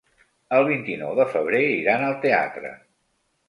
El vint-i-nou de febrer iran al teatre.